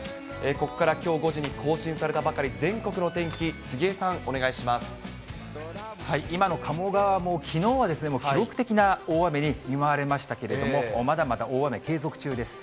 ここからきょう５時に更新されたばかり、全国の天気、杉江さん、今の鴨川も、きのうはもう記録的な大雨に見舞われましたけれども、まだまだ大雨、継続中です。